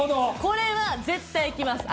これは絶対いきます。